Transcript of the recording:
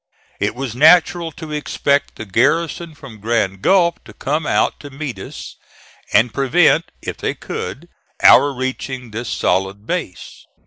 It was natural to expect the garrison from Grand Gulf to come out to meet us and prevent, if they could, our reaching this solid base.